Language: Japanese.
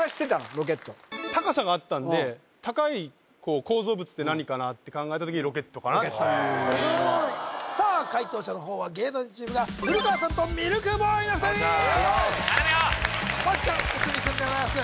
ロケット高さがあったんで高い構造物って何かなって考えた時にロケットかなっていうのは・すごいさあ解答者のほうは芸能人チームが古川さんとミルクボーイのお二人頼むよ！